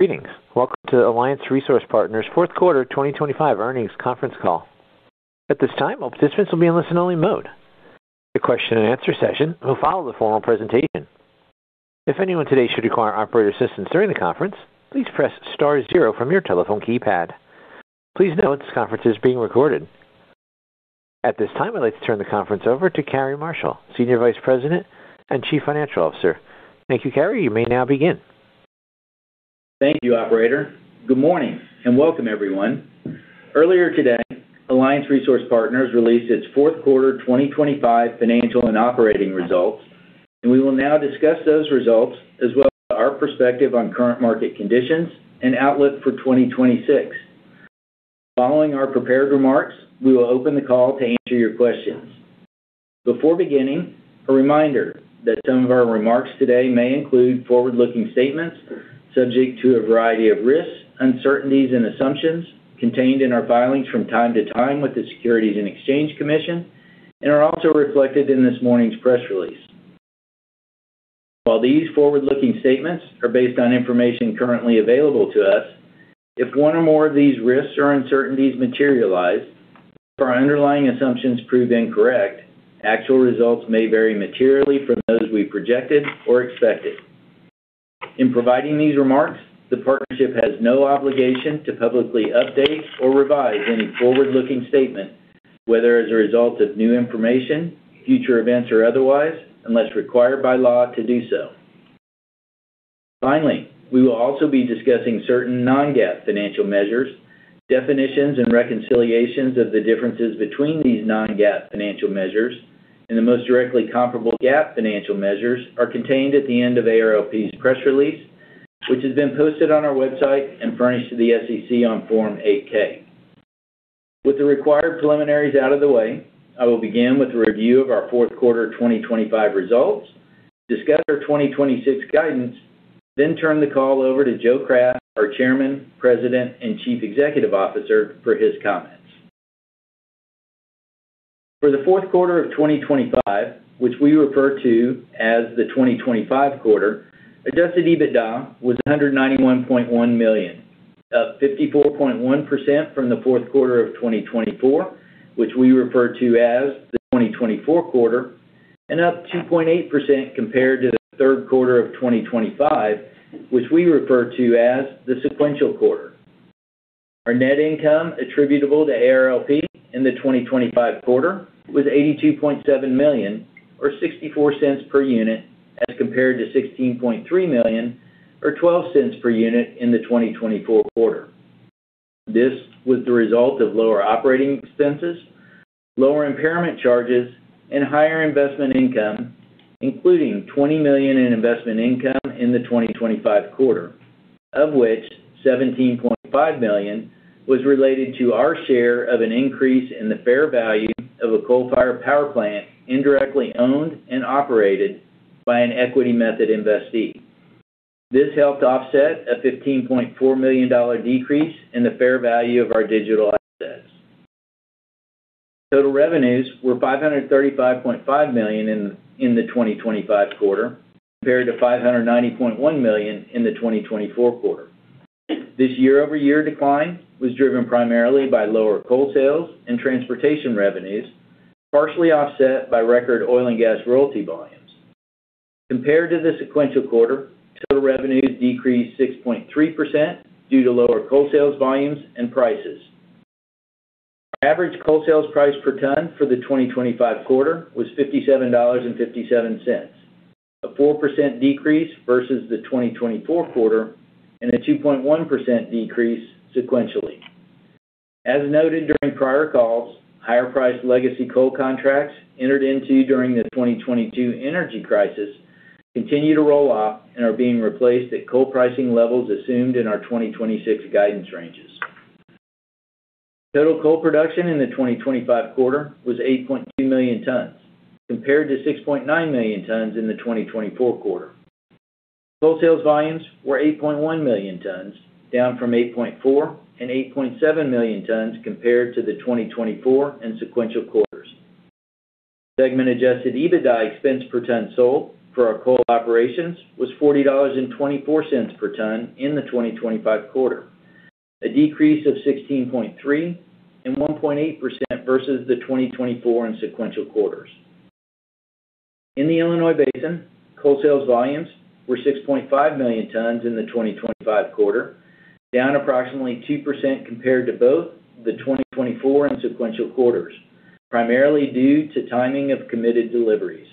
Greetings. Welcome to Alliance Resource Partners' fourth quarter 2025 earnings conference call. At this time, all participants will be in listen-only mode. The question-and-answer session will follow the formal presentation. If anyone today should require operator assistance during the conference, please press star zero from your telephone keypad. Please note, this conference is being recorded. At this time, I'd like to turn the conference over to Cary Marshall, Senior Vice President and Chief Financial Officer. Thank you, Cary. You may now begin. Thank you, operator. Good morning, and welcome, everyone. Earlier today, Alliance Resource Partners released its fourth quarter 2025 financial and operating results, and we will now discuss those results, as well as our perspective on current market conditions and outlook for 2026. Following our prepared remarks, we will open the call to answer your questions. Before beginning, a reminder that some of our remarks today may include forward-looking statements subject to a variety of risks, uncertainties, and assumptions contained in our filings from time to time with the Securities and Exchange Commission, and are also reflected in this morning's press release. While these forward-looking statements are based on information currently available to us, if one or more of these risks or uncertainties materialize or underlying assumptions prove incorrect, actual results may vary materially from those we projected or expected. In providing these remarks, the partnership has no obligation to publicly update or revise any forward-looking statement, whether as a result of new information, future events, or otherwise, unless required by law to do so. Finally, we will also be discussing certain non-GAAP financial measures. Definitions and reconciliations of the differences between these non-GAAP financial measures and the most directly comparable GAAP financial measures are contained at the end of ARLP's press release, which has been posted on our website and furnished to the SEC on Form 8-K. With the required preliminaries out of the way, I will begin with a review of our fourth quarter 2025 results, discuss our 2026 guidance, then turn the call over to Joe Craft, our Chairman, President, and Chief Executive Officer, for his comments. For the fourth quarter of 2025, which we refer to as the 2025 quarter, adjusted EBITDA was $191.1 million, up 54.1% from the fourth quarter of 2024, which we refer to as the 2024 quarter, and up 2.8% compared to the third quarter of 2025, which we refer to as the sequential quarter. Our net income attributable to ARLP in the 2025 quarter was $82.7 million, or $0.64 per unit, as compared to $16.3 million, or $0.12 per unit, in the 2024 quarter. This was the result of lower operating expenses, lower impairment charges, and higher investment income, including $20 million in investment income in the 2025 quarter, of which $17.5 million was related to our share of an increase in the fair value of a coal-fired power plant, indirectly owned and operated by an equity method investee. This helped offset a $15.4 million decrease in the fair value of our digital assets. Total revenues were $535.5 million in the 2025 quarter, compared to $590.1 million in the 2024 quarter. This year-over-year decline was driven primarily by lower coal sales and transportation revenues, partially offset by record oil and gas royalty volumes. Compared to the sequential quarter, total revenues decreased 6.3% due to lower coal sales volumes and prices. Average coal sales price per ton for the 2025 quarter was $57.57, a 4% decrease versus the 2024 quarter, and a 2.1% decrease sequentially. As noted during prior calls, higher-priced legacy coal contracts entered into during the 2022 energy crisis continue to roll off and are being replaced at coal pricing levels assumed in our 2026 guidance ranges. Total coal production in the 2025 quarter was 8.2 million tons, compared to 6.9 million tons in the 2024 quarter. Coal sales volumes were 8.1 million tons, down from 8.4 million tons and 8.7 million tons compared to the 2024 and sequential quarters. Segment Adjusted EBITDA Expense per ton sold for our coal operations was $40.24 per ton in the 2025 quarter, a decrease of 16.3% and 1.8% versus the 2024 and sequential quarters. In the Illinois Basin, coal sales volumes were 6.5 million tons in the 2025 quarter, down approximately 2% compared to both the 2024 and sequential quarters, primarily due to timing of committed deliveries.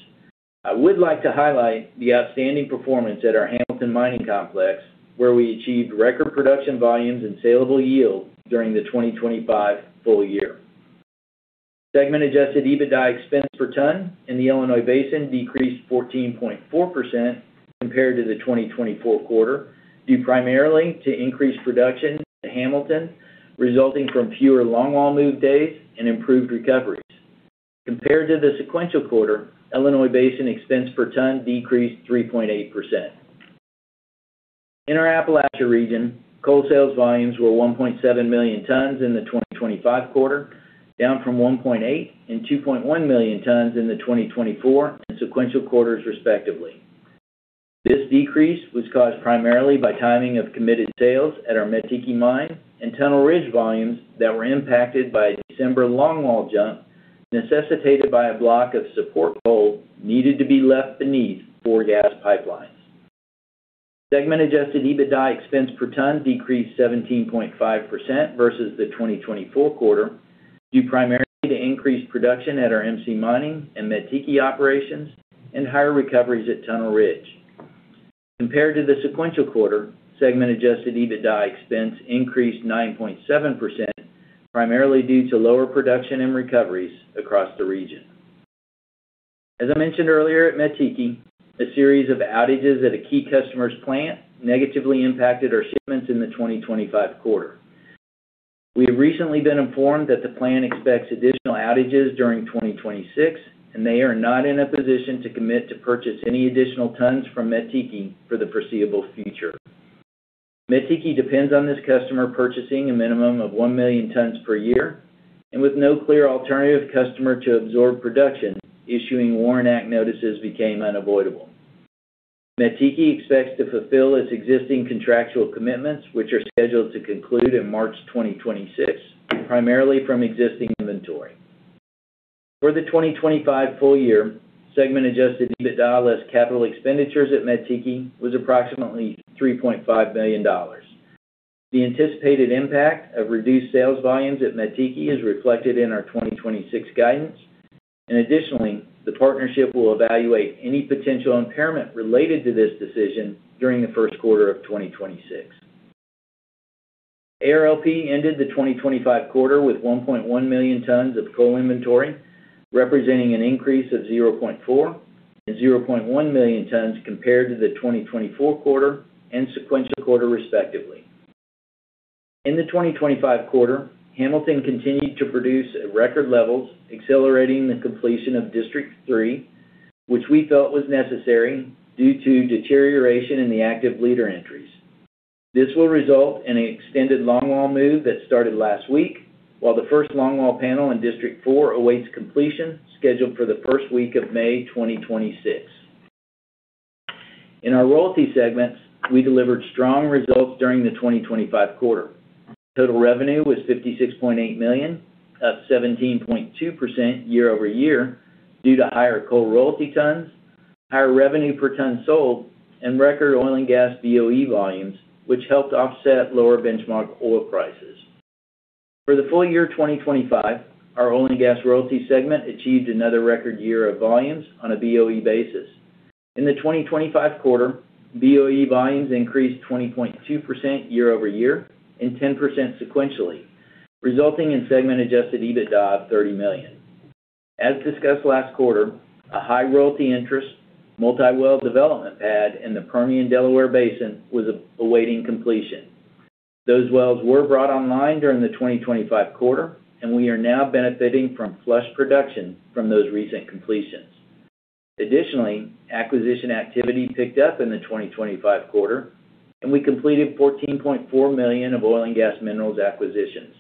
I would like to highlight the outstanding performance at our Hamilton Mining Complex, where we achieved record production volumes and salable yield during the 2025 full year. Segment Adjusted EBITDA Expense per ton in the Illinois Basin decreased 14.4% compared to the 2024 quarter, due primarily to increased production at Hamilton, resulting from fewer longwall move days and improved recoveries. Compared to the sequential quarter, Illinois Basin expense per ton decreased 3.8%. In our Appalachia region, coal sales volumes were 1.7 million tons in the 2025 quarter, down from 1.8 million tons and 2.1 million tons in the 2024 and sequential quarters, respectively. This decrease was caused primarily by timing of committed sales at our Mettiki mine and Tunnel Ridge volumes that were impacted by a December longwall jump, necessitated by a block of support coal needed to be left beneath four gas pipelines. Segment Adjusted EBITDA Expense per ton decreased 17.5% versus the 2024 quarter, due primarily to increased production at our MC Mining and Mettiki operations and higher recoveries at Tunnel Ridge. Compared to the sequential quarter, Segment Adjusted EBITDA Expense increased 9.7%, primarily due to lower production and recoveries across the region. As I mentioned earlier, at Mettiki, a series of outages at a key customer's plant negatively impacted our shipments in the 2025 quarter. We have recently been informed that the plant expects additional outages during 2026, and they are not in a position to commit to purchase any additional tons from Mettiki for the foreseeable future. Mettiki depends on this customer purchasing a minimum of 1 million tons per year, and with no clear alternative customer to absorb production, issuing WARN Act notices became unavoidable. Mettiki expects to fulfill its existing contractual commitments, which are scheduled to conclude in March 2026, primarily from existing inventory. For the 2025 full year, segment adjusted EBITDA less capital expenditures at Mettiki was approximately $3.5 billion. The anticipated impact of reduced sales volumes at Mettiki is reflected in our 2026 guidance, and additionally, the partnership will evaluate any potential impairment related to this decision during the first quarter of 2026. ARLP ended the 2025 quarter with 1.1 million tons of coal inventory, representing an increase of 0.4 and 0.1 million tons compared to the 2024 quarter and sequential quarter, respectively. In the 2025 quarter, Hamilton continued to produce at record levels, accelerating the completion of District Three, which we felt was necessary due to deterioration in the active bleeder entries. This will result in an extended longwall move that started last week, while the first longwall panel in District Four awaits completion, scheduled for the first week of May 2026. In our royalty segment, we delivered strong results during the 2025 quarter. Total revenue was $56.8 million, up 17.2% year-over-year, due to higher coal royalty tons, higher revenue per ton sold, and record oil and gas BOE volumes, which helped offset lower benchmark oil prices. For the full year 2025, our oil and gas royalty segment achieved another record year of volumes on a BOE basis. In the 2025 quarter, BOE volumes increased 20.2% year-over-year and 10% sequentially, resulting in segment adjusted EBITDA of $30 million. As discussed last quarter, a high royalty interest, multi-well development pad in the Permian Delaware Basin was awaiting completion. Those wells were brought online during the 2025 quarter, and we are now benefiting from flush production from those recent completions. Additionally, acquisition activity picked up in the 2025 quarter, and we completed $14.4 million of oil and gas minerals acquisitions.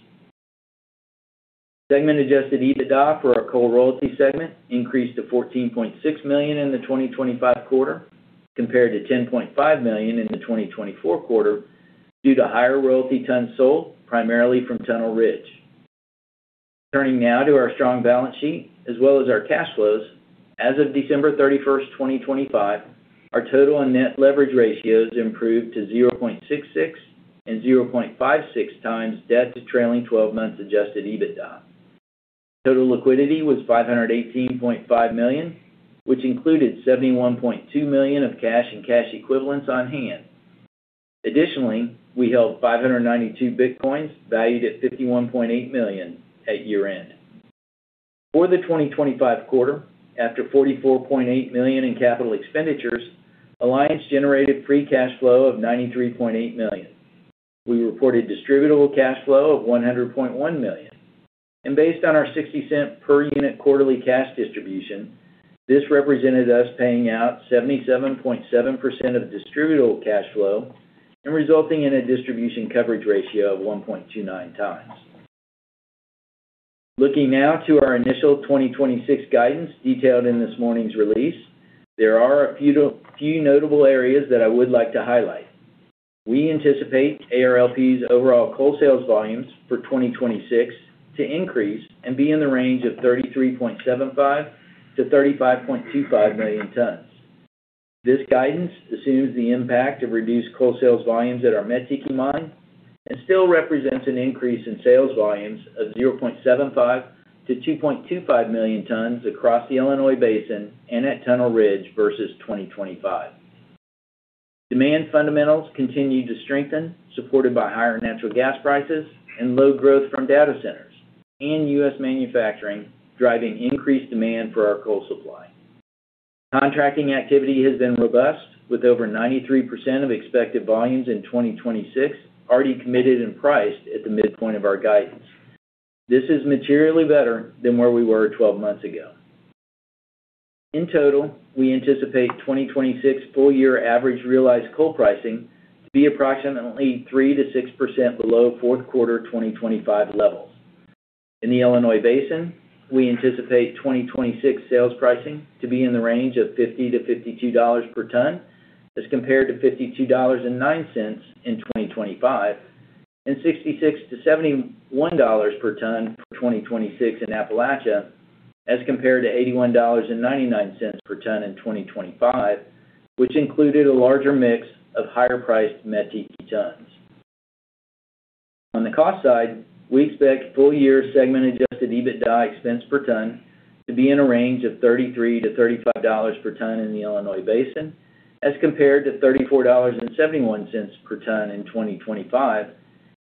Segment Adjusted EBITDA for our coal royalty segment increased to $14.6 million in the 2025 quarter, compared to $10.5 million in the 2024 quarter, due to higher royalty tons sold, primarily from Tunnel Ridge. Turning now to our strong balance sheet as well as our cash flows. As of December 31, 2025, our total and net leverage ratios improved to 0.66 and 0.56 times debt to trailing twelve months Adjusted EBITDA. Total liquidity was $518.5 million, which included $71.2 million of cash and cash equivalents on hand. Additionally, we held 592 Bitcoins, valued at $51.8 million at year-end. For the 2025 quarter, after $44.8 million in capital expenditures, Alliance generated free cash flow of $93.8 million. We reported distributable cash flow of $100.1 million, and based on our 60 cent per unit quarterly cash distribution, this represented us paying out 77.7% of distributable cash flow and resulting in a distribution coverage ratio of 1.29 times. Looking now to our initial 2026 guidance detailed in this morning's release, there are a few notable areas that I would like to highlight. We anticipate ARLP's overall coal sales volumes for 2026 to increase and be in the range of 33.75 million tons-35.25 million tons. This guidance assumes the impact of reduced coal sales volumes at our Mettiki Mine and still represents an increase in sales volumes of 0.75 million tons-2.25 million tons across the Illinois Basin and at Tunnel Ridge versus 2025. Demand fundamentals continue to strengthen, supported by higher natural gas prices and load growth from data centers and U.S. manufacturing, driving increased demand for our coal supply. Contracting activity has been robust, with over 93% of expected volumes in 2026 already committed and priced at the midpoint of our guidance. This is materially better than where we were 12 months ago.... In total, we anticipate 2026 full year average realized coal pricing to be approximately 3%-6% below fourth quarter 2025 levels. In the Illinois Basin, we anticipate 2026 sales pricing to be in the range of $50-$52 per ton, as compared to $52.09 in 2025, and $66-$71 per ton for 2026 in Appalachia, as compared to $81.99 per ton in 2025, which included a larger mix of higher priced Mettiki tons. On the cost side, we expect full year Segment Adjusted EBITDA expense per ton to be in a range of $33-$35 per ton in the Illinois Basin, as compared to $34.71 per ton in 2025,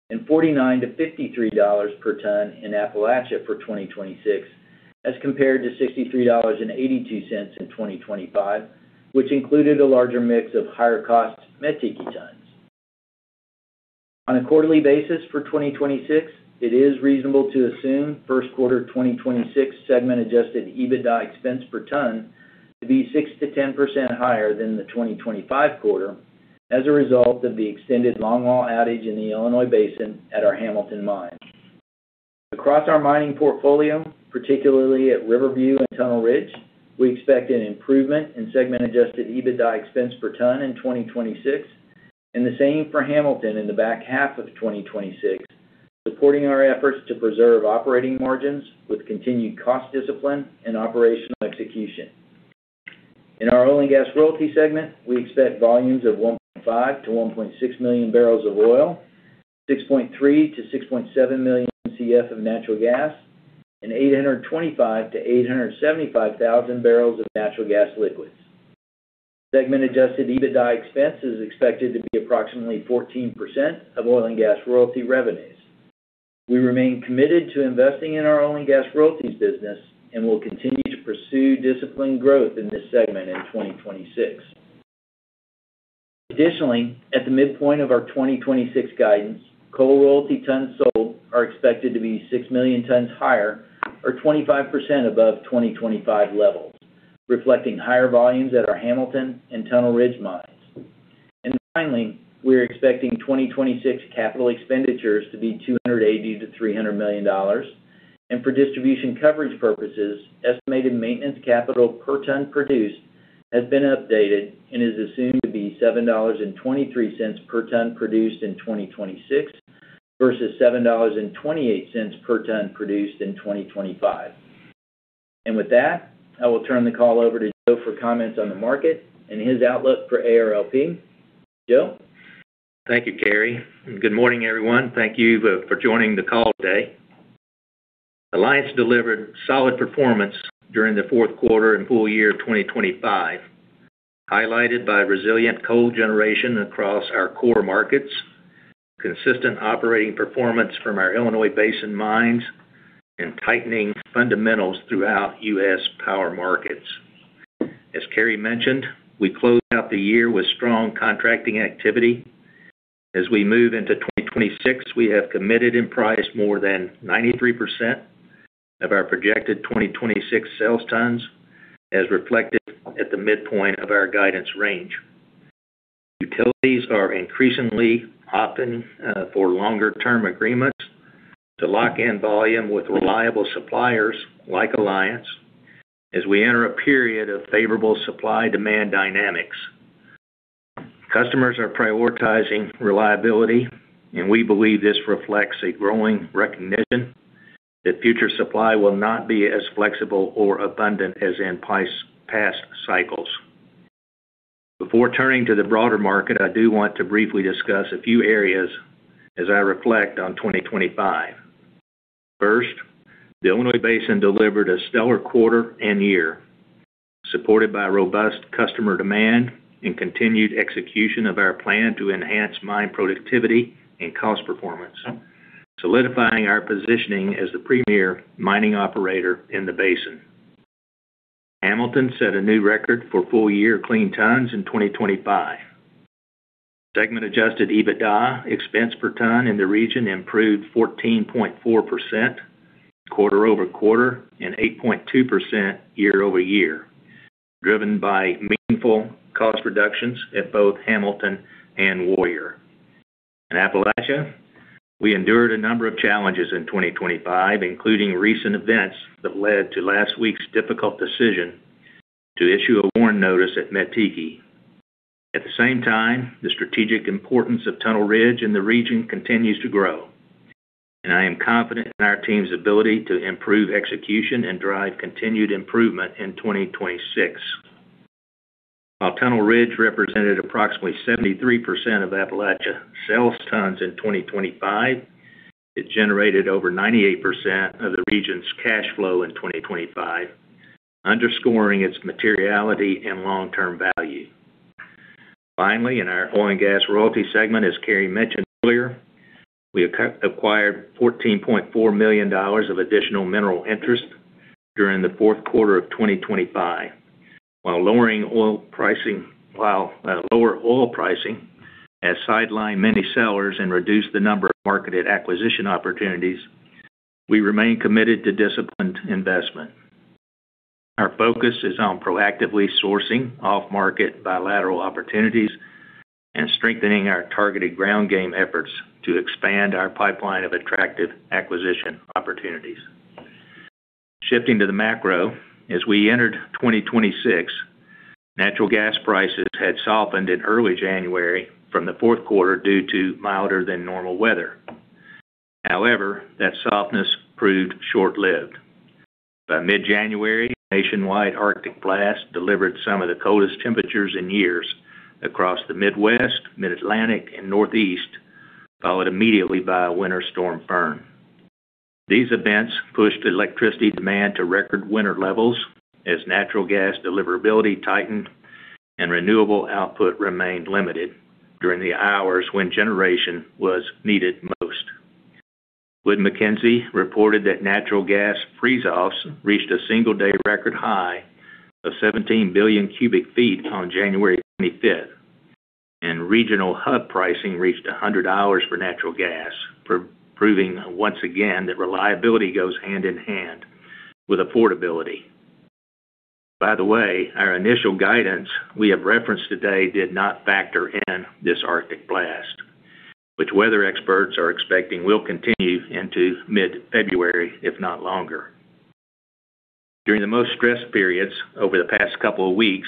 and $49-$53 per ton in Appalachia for 2026, as compared to $63.82 per ton in 2025, which included a larger mix of higher cost Mettiki tons. On a quarterly basis for 2026, it is reasonable to assume first quarter 2026 Segment Adjusted EBITDA expense per ton to be 6%-10% higher than the 2025 quarter as a result of the extended longwall outage in the Illinois Basin at our Hamilton Mine. Across our mining portfolio, particularly at River View and Tunnel Ridge, we expect an improvement in Segment Adjusted EBITDA expense per ton in 2026, and the same for Hamilton in the back half of 2026, supporting our efforts to preserve operating margins with continued cost discipline and operational execution. In our oil and gas royalty segment, we expect volumes of 1.5 million barrels-1.6 million barrels of oil, 6.3 million CF-6.7 million CF of natural gas, and 825,000 barrels-875,000 barrels of natural gas liquids. Segment Adjusted EBITDA expense is expected to be approximately 14% of oil and gas royalty revenues. We remain committed to investing in our oil and gas royalties business and will continue to pursue disciplined growth in this segment in 2026. Additionally, at the midpoint of our 2026 guidance, coal royalty tons sold are expected to be 6 million tons higher or 25% above 2025 levels, reflecting higher volumes at our Hamilton and Tunnel Ridge mines. And finally, we are expecting 2026 capital expenditures to be $280 million-$300 million, and for distribution coverage purposes, estimated maintenance capital per ton produced has been updated and is assumed to be $7.23 per ton produced in 2026, versus $7.28 per ton produced in 2025. And with that, I will turn the call over to Joe for comments on the market and his outlook for ARLP. Joe? Thank you, Cary, and good morning, everyone. Thank you for joining the call today. Alliance delivered solid performance during the fourth quarter and full year of 2025, highlighted by resilient coal generation across our core markets, consistent operating performance from our Illinois Basin mines, and tightening fundamentals throughout U.S. power markets. As Cary mentioned, we closed out the year with strong contracting activity. As we move into 2026, we have committed and priced more than 93% of our projected 2026 sales tons, as reflected at the midpoint of our guidance range. Utilities are increasingly opting for longer term agreements to lock in volume with reliable suppliers like Alliance as we enter a period of favorable supply-demand dynamics. Customers are prioritizing reliability, and we believe this reflects a growing recognition that future supply will not be as flexible or abundant as in past cycles. Before turning to the broader market, I do want to briefly discuss a few areas as I reflect on 2025. First, the Illinois Basin delivered a stellar quarter and year, supported by robust customer demand and continued execution of our plan to enhance mine productivity and cost performance, solidifying our positioning as the premier mining operator in the basin. Hamilton set a new record for full-year clean tons in 2025. Segment Adjusted EBITDA expense per ton in the region improved 14.4% quarter-over-quarter and 8.2% year-over-year, driven by meaningful cost reductions at both Hamilton and Warrior. In Appalachia, we endured a number of challenges in 2025, including recent events that led to last week's difficult decision to issue a WARN notice at Mettiki. At the same time, the strategic importance of Tunnel Ridge in the region continues to grow, and I am confident in our team's ability to improve execution and drive continued improvement in 2026. While Tunnel Ridge represented approximately 73% of Appalachia sales tons in 2025, it generated over 98% of the region's cash flow in 2025, underscoring its materiality and long-term value. Finally, in our oil and gas royalty segment, as Cary mentioned earlier, we acquired $14.4 million of additional mineral interest during the fourth quarter of 2025, while lower oil pricing has sidelined many sellers and reduced the number of marketed acquisition opportunities. We remain committed to disciplined investment. Our focus is on proactively sourcing off-market bilateral opportunities and strengthening our targeted ground game efforts to expand our pipeline of attractive acquisition opportunities. Shifting to the macro, as we entered 2026, natural gas prices had softened in early January from the fourth quarter due to milder than normal weather. However, that softness proved short-lived. By mid-January, nationwide arctic blast delivered some of the coldest temperatures in years across the Midwest, Mid-Atlantic, and Northeast, followed immediately by a winter storm burn. These events pushed electricity demand to record winter levels as natural gas deliverability tightened and renewable output remained limited during the hours when generation was needed most. Wood Mackenzie reported that natural gas freeze-offs reached a single-day record high of 17 billion cubic feet on January 25th, and regional hub pricing reached $100 for natural gas, proving once again that reliability goes hand in hand with affordability. By the way, our initial guidance we have referenced today did not factor in this arctic blast, which weather experts are expecting will continue into mid-February, if not longer. During the most stressed periods over the past couple of weeks,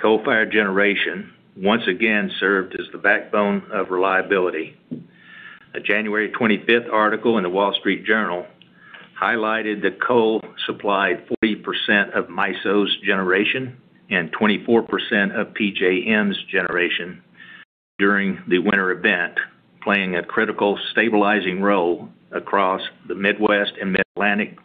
coal-fired generation once again served as the backbone of reliability. A January 25 article in The Wall Street Journal highlighted that coal supplied 40% of MISO's generation and 24% of PJM's generation during the winter event, playing a critical stabilizing role across the Midwest and Mid-Atlantic.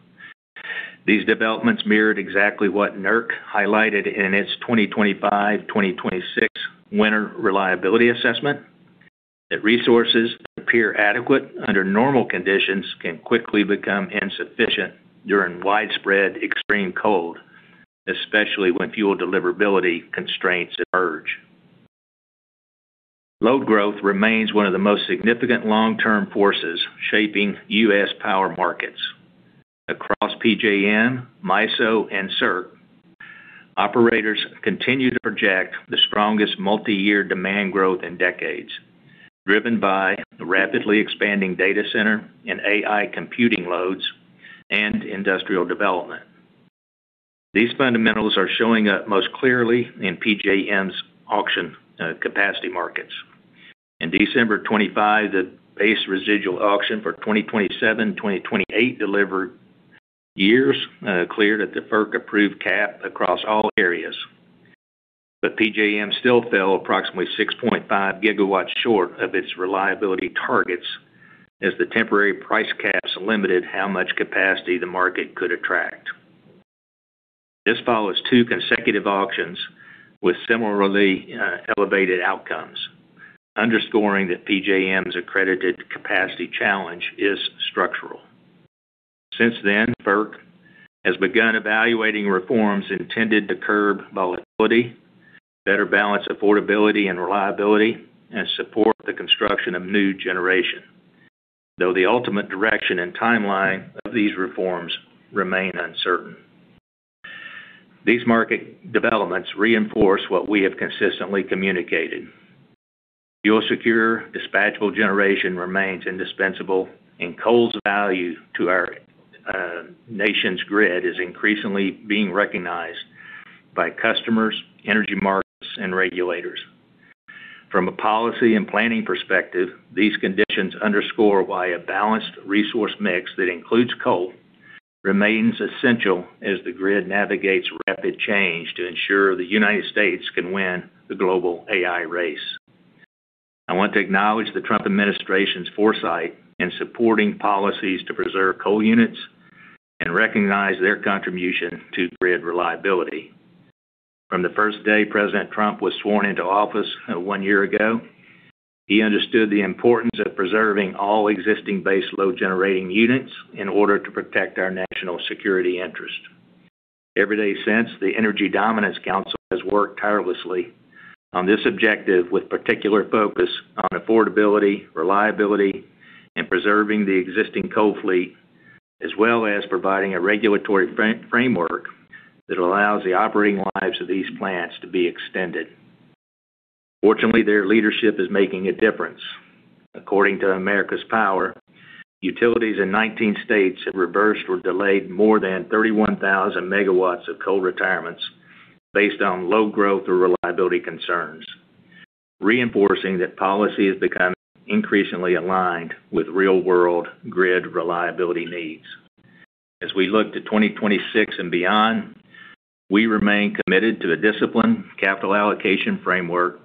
These developments mirrored exactly what NERC highlighted in its 2025/2026 winter reliability assessment, that resources that appear adequate under normal conditions can quickly become insufficient during widespread extreme cold, especially when fuel deliverability constraints emerge. Load growth remains one of the most significant long-term forces shaping U.S. power markets. Across PJM, MISO, and SERC, operators continue to project the strongest multiyear demand growth in decades, driven by the rapidly expanding data center and AI computing loads and industrial development. These fundamentals are showing up most clearly in PJM's auction, capacity markets. In December 2025, the Base Residual Auction for 2027, 2028 delivered years, cleared at the FERC-approved cap across all areas. But PJM still fell approximately 6.5 GW short of its reliability targets as the temporary price caps limited how much capacity the market could attract. This follows two consecutive auctions with similarly, elevated outcomes, underscoring that PJM's accredited capacity challenge is structural. Since then, FERC has begun evaluating reforms intended to curb volatility, better balance affordability and reliability, and support the construction of new generation, though the ultimate direction and timeline of these reforms remain uncertain. These market developments reinforce what we have consistently communicated. Fuel-secure, dispatchable generation remains indispensable, and coal's value to our nation's grid is increasingly being recognized by customers, energy markets, and regulators. From a policy and planning perspective, these conditions underscore why a balanced resource mix that includes coal remains essential as the grid navigates rapid change to ensure the United States can win the global AI race. I want to acknowledge the Trump administration's foresight in supporting policies to preserve coal units and recognize their contribution to grid reliability. From the first day President Trump was sworn into office, one year ago, he understood the importance of preserving all existing base load-generating units in order to protect our national security interest. Every day since, the Energy Dominance Council has worked tirelessly on this objective, with particular focus on affordability, reliability, and preserving the existing coal fleet, as well as providing a regulatory framework that allows the operating lives of these plants to be extended. Fortunately, their leadership is making a difference. According to America's Power, utilities in 19 states have reversed or delayed more than 31,000 MW of coal retirements based on low growth or reliability concerns, reinforcing that policy is becoming increasingly aligned with real-world grid reliability needs. As we look to 2026 and beyond, we remain committed to the disciplined capital allocation framework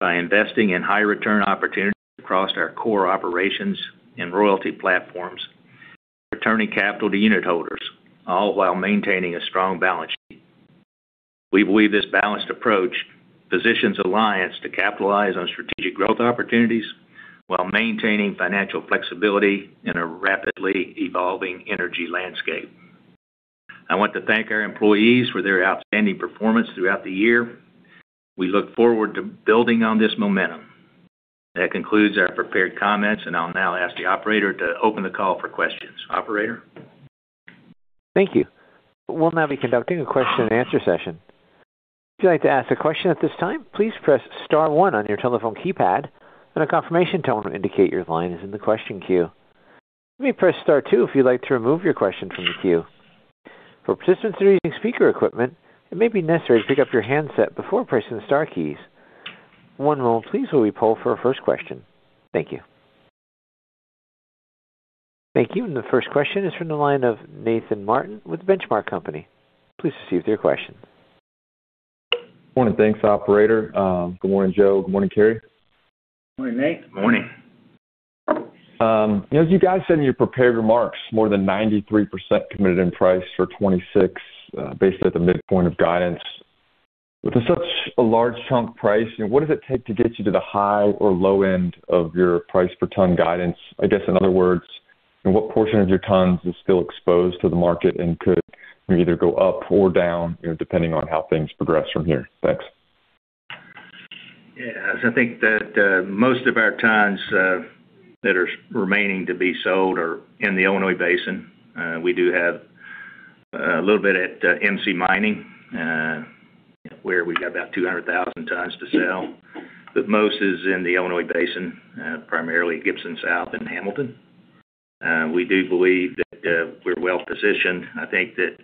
by investing in high-return opportunities across our core operations and royalty platforms, returning capital to unit holders, all while maintaining a strong balance sheet. We believe this balanced approach positions Alliance to capitalize on strategic growth opportunities while maintaining financial flexibility in a rapidly evolving energy landscape.... I want to thank our employees for their outstanding performance throughout the year. We look forward to building on this momentum. That concludes our prepared comments, and I'll now ask the operator to open the call for questions. Operator? Thank you. We'll now be conducting a question and answer session. If you'd like to ask a question at this time, please press star one on your telephone keypad, and a confirmation tone will indicate your line is in the question queue. You may press star two if you'd like to remove your question from the queue. For participants that are using speaker equipment, it may be necessary to pick up your handset before pressing the star keys. One moment, please, while we poll for our first question. Thank you. Thank you. The first question is from the line of Nathan Martin with The Benchmark Company. Please proceed with your question. Morning. Thanks, operator. Good morning, Joe. Good morning, Cary. Good morning, Nate. Morning. You know, as you guys said in your prepared remarks, more than 93% committed in price for 2026, basically at the midpoint of guidance. With such a large chunk price, what does it take to get you to the high or low end of your price per ton guidance? I guess, in other words, and what portion of your tons is still exposed to the market and could either go up or down, you know, depending on how things progress from here? Thanks. Yeah, so I think that most of our tons that are remaining to be sold are in the Illinois Basin. We do have a little bit at MC Mining, where we've got about 200,000 tons to sell, but most is in the Illinois Basin, primarily Gibson South and Hamilton. We do believe that we're well positioned. I think that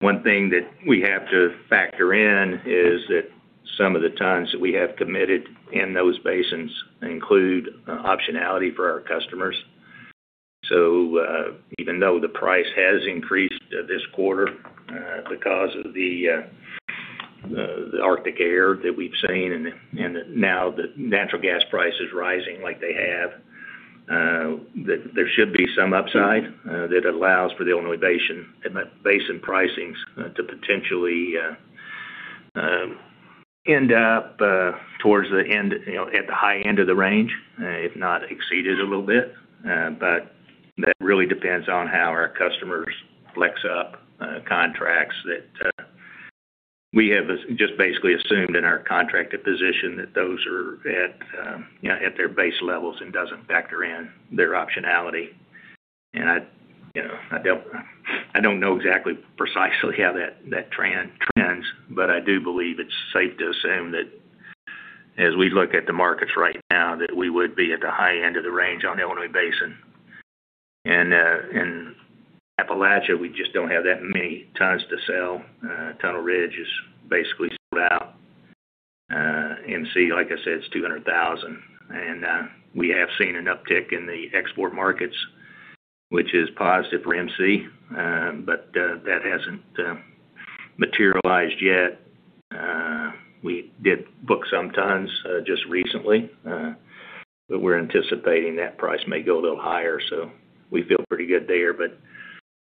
one thing that we have to factor in is that some of the tons that we have committed in those basins include optionality for our customers. So, even though the price has increased this quarter because of the Arctic air that we've seen, and now the natural gas price is rising like they have, that there should be some upside that allows for the Illinois Basin pricings to potentially end up, you know, at the high end of the range, if not exceeded a little bit. But that really depends on how our customers flex up contracts that we have just basically assumed in our contracted position that those are at their base levels and doesn't factor in their optionality. I, you know, I don't know exactly precisely how that trend trends, but I do believe it's safe to assume that as we look at the markets right now, that we would be at the high end of the range on Illinois Basin. And in Appalachia, we just don't have that many tons to sell. Tunnel Ridge is basically sold out. MC, like I said, it's 200,000, and we have seen an uptick in the export markets, which is positive for MC, but that hasn't materialized yet. We did book some tons just recently, but we're anticipating that price may go a little higher, so we feel pretty good there. But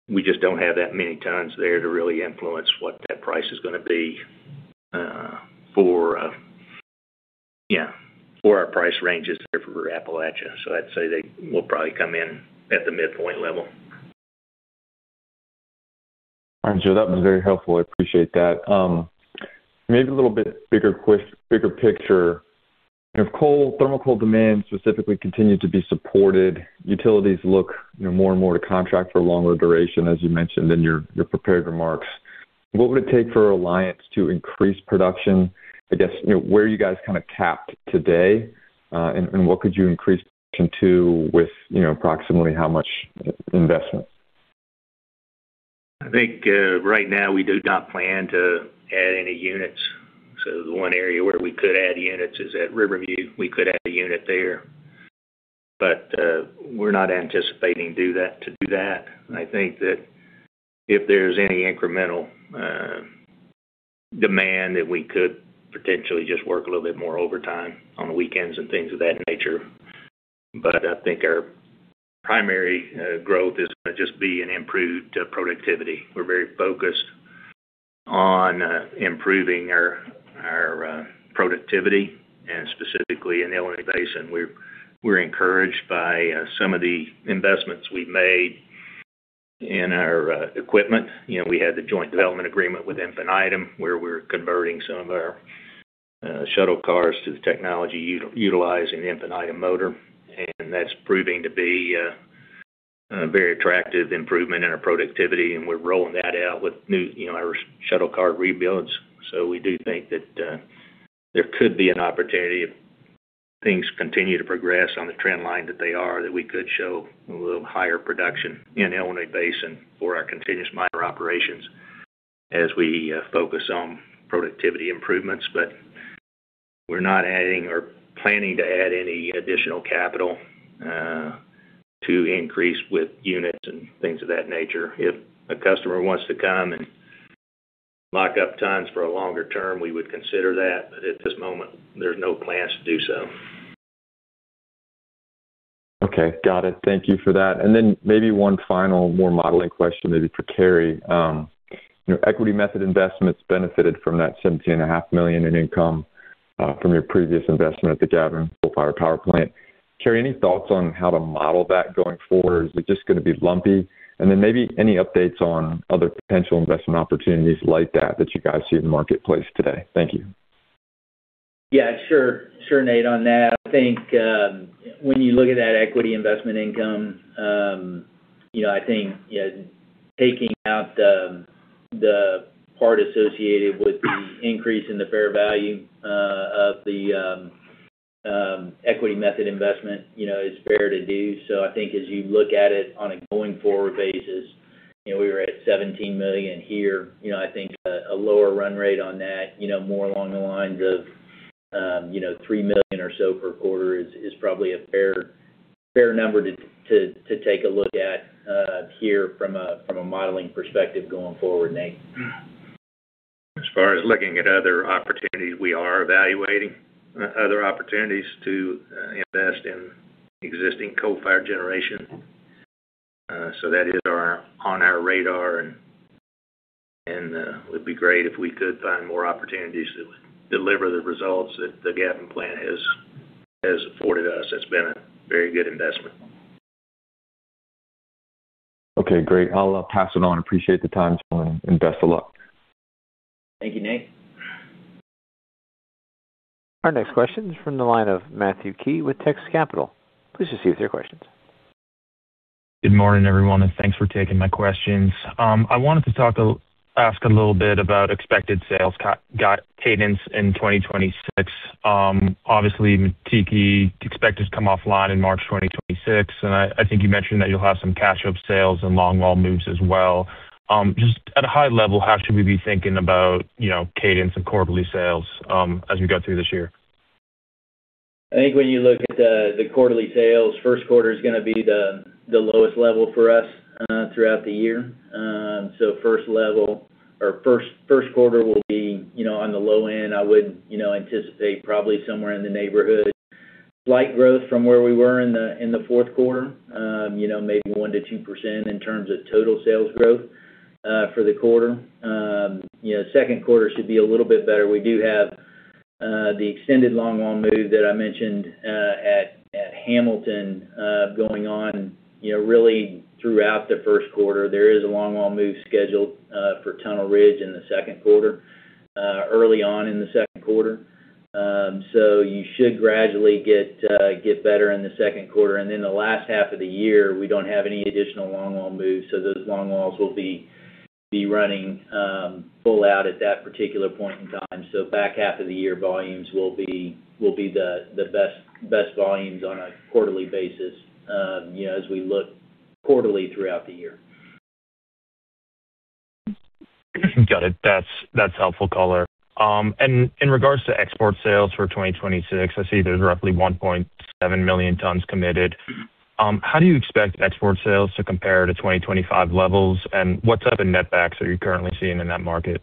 we just don't have that many tons there to really influence what that price is gonna be, for our price ranges there for Appalachia. So I'd say they will probably come in at the midpoint level. All right, Joe, that was very helpful. I appreciate that. Maybe a little bit bigger picture. If coal, thermal coal demand specifically continued to be supported, utilities look you know more and more to contract for a longer duration, as you mentioned in your, your prepared remarks, what would it take for Alliance to increase production? I guess, you know, where are you guys kind of capped today, and what could you increase production to with, you know, approximately how much investment? I think, right now, we do not plan to add any units. So the one area where we could add units is at River View. We could add a unit there, but, we're not anticipating to do that. I think that if there's any incremental demand, that we could potentially just work a little bit more overtime on the weekends and things of that nature. But I think our primary growth is gonna just be an improved productivity. We're very focused on improving our productivity and specifically in the Illinois Basin. We're encouraged by some of the investments we've made in our equipment. You know, we had the joint development agreement with Infinitum, where we're converting some of our shuttle cars to the technology utilizing the Infinitum motor, and that's proving to be a very attractive improvement in our productivity, and we're rolling that out with new, you know, our shuttle car rebuilds. So we do think that there could be an opportunity if things continue to progress on the trend line that they are, that we could show a little higher production in Illinois Basin for our continuous miner operations as we focus on productivity improvements. But we're not adding or planning to add any additional capital to increase with units and things of that nature. If a customer wants to come and lock up tons for a longer term, we would consider that, but at this moment, there's no plans to do so. Okay, got it. Thank you for that. And then maybe one final more modeling question, maybe for Cary. You know, equity method investments benefited from that $17.5 million in income from your previous investment at the General James M. Gavin Power Plant. Cary, any thoughts on how to model that going forward, or is it just going to be lumpy? And then maybe any updates on other potential investment opportunities like that, that you guys see in the marketplace today? Thank you. Yeah, sure. Sure, Nate, on that, I think, when you look at that equity investment income, you know, I think, yeah, taking out the, the part associated with the increase in the fair value, of the, equity method investment, you know, is fair to do. So I think as you look at it on a going-forward basis, you know, we were at $17 million here. You know, I think a, a lower run rate on that, you know, more along the lines of, you know, $3 million or so per quarter is, is probably a fair, fair number to, to, to take a look at, here from a, from a modeling perspective going forward, Nate. As far as looking at other opportunities, we are evaluating other opportunities to invest in existing coal-fired generation. So that is on our radar, and would be great if we could find more opportunities to deliver the results that the Gavin plant has afforded us. It's been a very good investment. Okay, great. I'll pass it on. Appreciate the time, and best of luck. Thank you, Nate. Our next question is from the line of Matthew Key with Texas Capital. Please proceed with your questions. Good morning, everyone, and thanks for taking my questions. I wanted to ask a little bit about expected sales contract cadence in 2026. Obviously, Mettiki expected to come offline in March 2026, and I think you mentioned that you'll have some catch-up sales and longwall moves as well. Just at a high level, how should we be thinking about, you know, cadence and quarterly sales, as we go through this year? I think when you look at the quarterly sales, first quarter is gonna be the lowest level for us throughout the year. So first quarter will be, you know, on the low end. I would, you know, anticipate probably somewhere in the neighborhood, slight growth from where we were in the fourth quarter, you know, maybe 1%-2% in terms of total sales growth for the quarter. You know, second quarter should be a little bit better. We do have the extended longwall move that I mentioned at Hamilton going on, you know, really throughout the first quarter. There is a longwall move scheduled for Tunnel Ridge in the second quarter, early on in the second quarter. So you should gradually get better in the second quarter. And then the last half of the year, we don't have any additional longwall moves, so those longwalls will be running full out at that particular point in time. So back half of the year, volumes will be the best volumes on a quarterly basis, you know, as we look quarterly throughout the year. Got it. That's, that's helpful color. And in regards to export sales for 2026, I see there's roughly 1.7 million tons committed. How do you expect export sales to compare to 2025 levels? And what type of netbacks are you currently seeing in that market?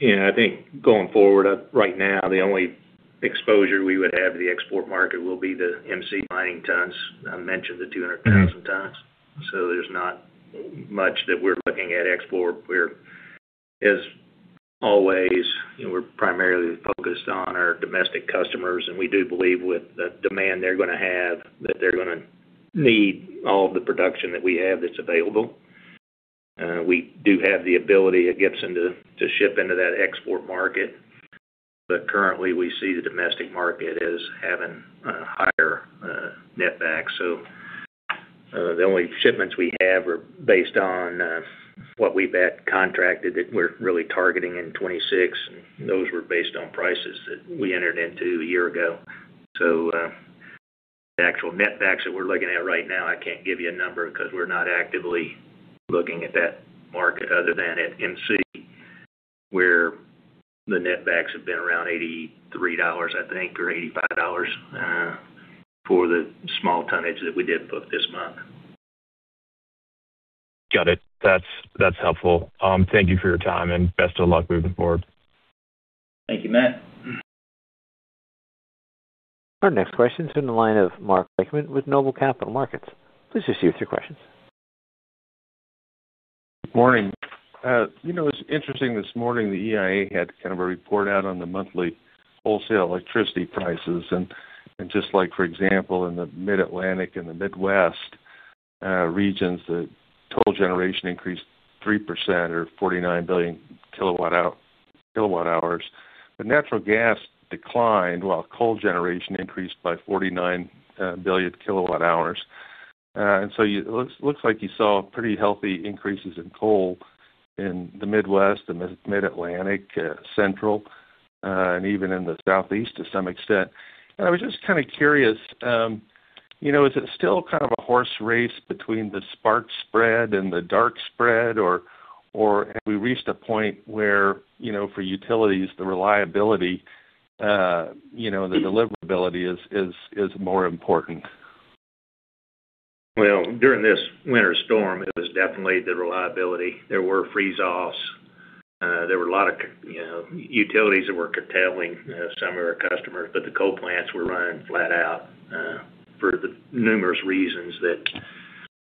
Yeah, I think going forward, right now, the only exposure we would have to the export market will be the MC Mining tons. I mentioned the 200,000 tons, so there's not much that we're looking at export. We're... As always, you know, we're primarily focused on our domestic customers, and we do believe with the demand they're gonna have, that they're gonna need all the production that we have that's available. We do have the ability at Gibson to ship into that export market, but currently, we see the domestic market as having higher netback. So, the only shipments we have are based on what we've contracted that we're really targeting in 2026, and those were based on prices that we entered into a year ago. The actual netbacks that we're looking at right now, I can't give you a number because we're not actively looking at that market other than at MC, where the netbacks have been around $83, I think, or $85, for the small tonnage that we did book this month. Got it. That's, that's helpful. Thank you for your time, and best of luck moving forward. Thank you, Matt. Our next question is in the line of Mark Reichman with Noble Capital Markets. Please proceed with your questions. Morning. You know, it's interesting, this morning, the EIA had kind of a report out on the monthly wholesale electricity prices. And just like, for example, in the Mid-Atlantic and the Midwest regions, the total generation increased 3% or 49 billion kWh. The natural gas declined, while coal generation increased by 49 billion kWh. And so looks like you saw pretty healthy increases in coal in the Midwest and the Mid-Atlantic, Central, and even in the Southeast to some extent. And I was just kind of curious, you know, is it still kind of a horse race between the spark spread and the dark spread, or have we reached a point where, you know, for utilities, the reliability, you know, the deliverability is more important? Well, during this winter storm, it was definitely the reliability. There were freeze-offs. There were a lot of, you know, utilities that were curtailing, some of our customers, but the coal plants were running flat out, for the numerous reasons that.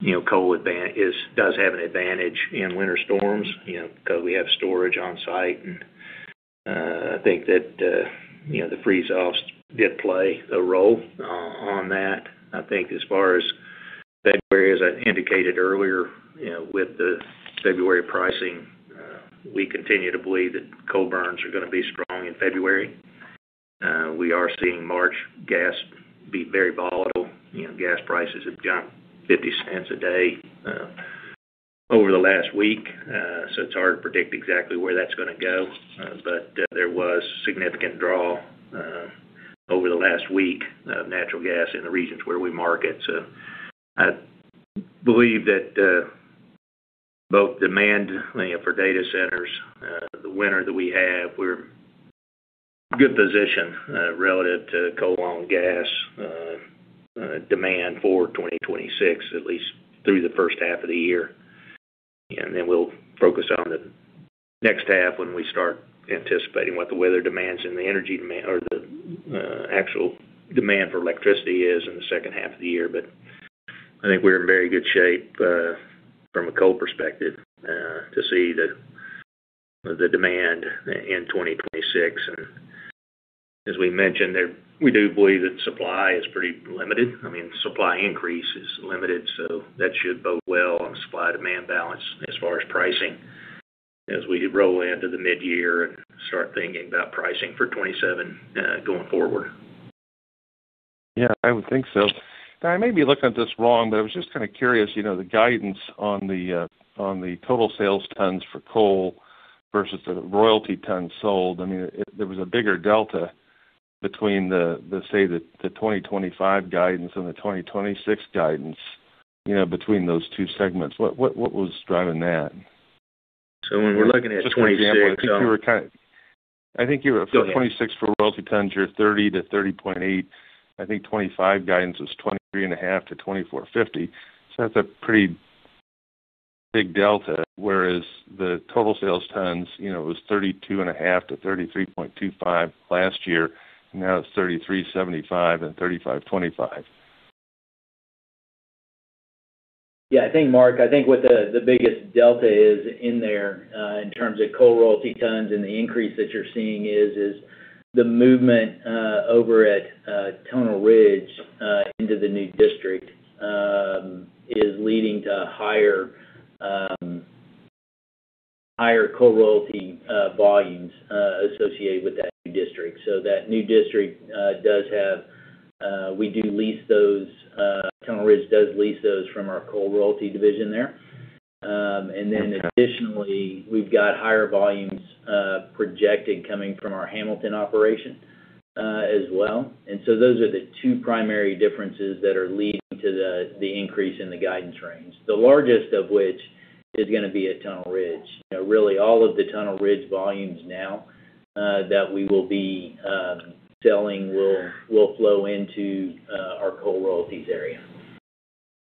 You know, coal does have an advantage in winter storms, you know, because we have storage on site. And, I think that, you know, the freeze-offs did play a role, on that. I think as far as February, as I indicated earlier, you know, with the February pricing, we continue to believe that coal burns are gonna be strong in February. We are seeing March gas be very volatile. You know, gas prices have jumped $0.50 a day, over the last week, so it's hard to predict exactly where that's gonna go. But there was significant draw over the last week of natural gas in the regions where we market. So I believe that both demand, you know, for data centers, the winter that we have, we're good position relative to coal on gas demand for 2026, at least through the first half of the year. And then we'll focus on the next half when we start anticipating what the weather demands and the energy demand or the actual demand for electricity is in the second half of the year. But I think we're in very good shape from a coal perspective to see the demand in 2026. And as we mentioned, we do believe that supply is pretty limited. I mean, supply increase is limited, so that should bode well on the supply-demand balance as far as pricing, as we roll into the midyear and start thinking about pricing for 2027 going forward. Yeah, I would think so. Now, I may be looking at this wrong, but I was just kind of curious, you know, the guidance on the total sales tons for coal versus the royalty tons sold. I mean, there was a bigger delta between the, the, say, the 2025 guidance and the 2026 guidance, you know, between those two segments. What, what, what was driving that? So when we're looking at 2026- I think you were, for 2026 for royalty tons, you're 30-30.8. I think 2025 guidance was 23.5-24.5. So that's a pretty big delta, whereas the total sales tons, you know, it was 32.5-33.25 last year, now it's 33.75-35.25. Yeah, I think, Mark, I think what the, the biggest delta is in there, in terms of coal royalty tons and the increase that you're seeing is, is the movement, over at, Tunnel Ridge, into the new district, is leading to higher, higher coal royalty, volumes, associated with that new district. So that new district, does have, we do lease those, Tunnel Ridge does lease those from our coal royalty division there. And then additionally, we've got higher volumes, projected coming from our Hamilton operation, as well. And so those are the two primary differences that are leading to the, the increase in the guidance range, the largest of which is gonna be at Tunnel Ridge. You know, really, all of the Tunnel Ridge volumes now that we will be selling will flow into our coal royalties area.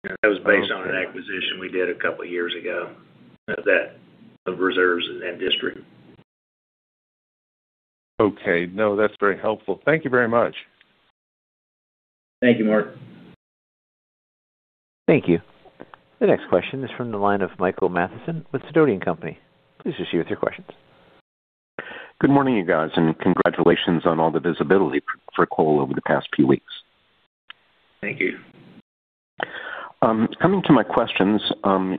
That was based on an acquisition we did a couple of years ago, of that, of reserves in that district. Okay. No, that's very helpful. Thank you very much. Thank you, Mark. Thank you. The next question is from the line of Michael Mathison with Sidoti & Company. Please proceed with your questions. Good morning, you guys, and congratulations on all the visibility for coal over the past few weeks. Thank you. Coming to my questions,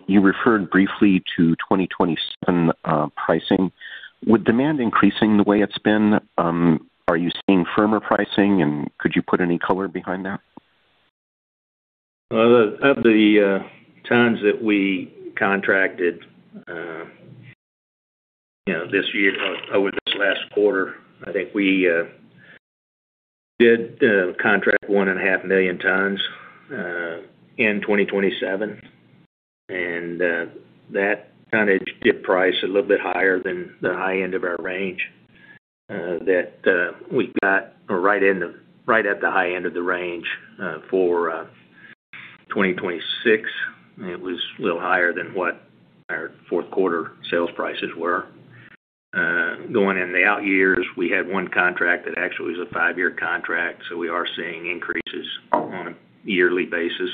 you referred briefly to 2027 pricing. With demand increasing the way it's been, are you seeing firmer pricing, and could you put any color behind that? Well, of the tons that we contracted, you know, this year, over this last quarter, I think we did contract 1,500,000 tons in 2027, and that kind of did price a little bit higher than the high end of our range. That we got right at the high end of the range for 2026. It was a little higher than what our fourth quarter sales prices were. Going in the out years, we had one contract that actually was a five-year contract, so we are seeing increases on a yearly basis.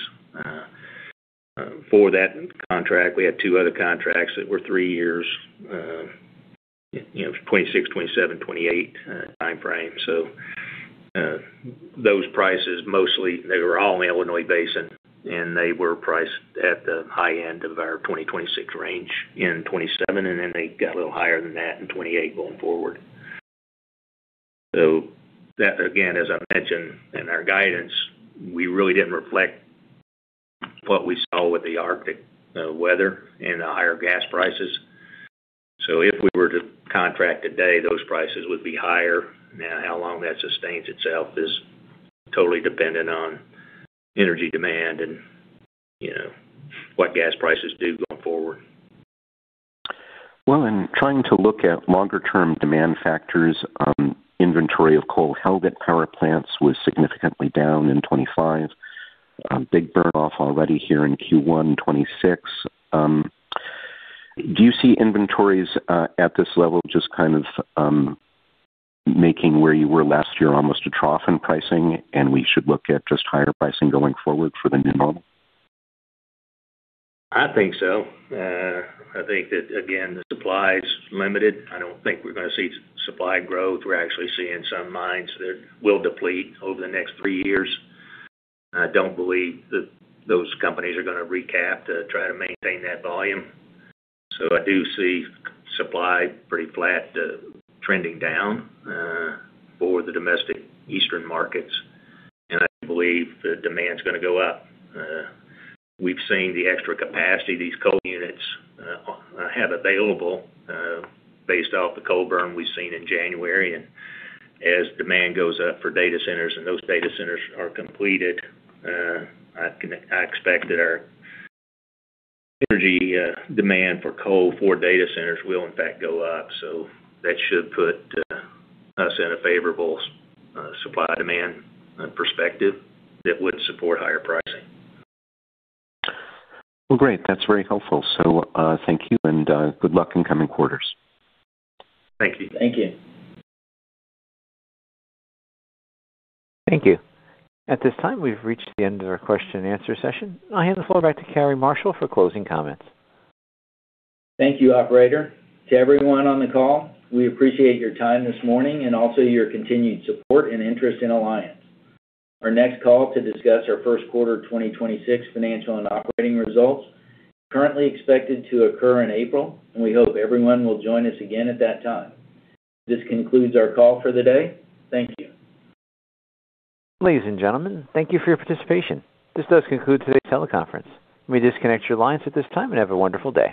For that contract, we had two other contracts that were three years, you know, 2026, 2027, 2028 timeframe. So, those prices, mostly, they were all in the Illinois Basin, and they were priced at the high end of our 2026 range in 2027, and then they got a little higher than that in 2028 going forward. So that, again, as I mentioned in our guidance, we really didn't reflect what we saw with the Arctic weather and the higher gas prices. So if we were to contract today, those prices would be higher. Now, how long that sustains itself is totally dependent on energy demand and, you know, what gas prices do going forward. Well, in trying to look at longer-term demand factors, inventory of coal held at power plants was significantly down in 2025. Big burn-off already here in Q1 2026.... Do you see inventories at this level, just kind of making where you were last year, almost a trough in pricing, and we should look at just higher pricing going forward for the new normal? I think so. I think that, again, the supply is limited. I don't think we're gonna see supply growth. We're actually seeing some mines that will deplete over the next three years. I don't believe that those companies are gonna recap to try to maintain that volume. So I do see supply pretty flat, trending down, for the domestic eastern markets, and I believe the demand is gonna go up. We've seen the extra capacity these coal units have available, based off the coal burn we've seen in January. And as demand goes up for data centers and those data centers are completed, I expect that our energy demand for coal for data centers will in fact go up. So that should put us in a favorable supply-demand perspective that would support higher pricing. Well, great. That's very helpful. So, thank you, and good luck in coming quarters. Thank you. Thank you. Thank you. At this time, we've reached the end of our question-and-answer session. I'll hand the floor back to Cary Marshall for closing comments. Thank you, operator. To everyone on the call, we appreciate your time this morning and also your continued support and interest in Alliance. Our next call to discuss our first quarter of 2026 financial and operating results is currently expected to occur in April, and we hope everyone will join us again at that time. This concludes our call for the day. Thank you. Ladies and gentlemen, thank you for your participation. This does conclude today's teleconference. You may disconnect your lines at this time and have a wonderful day.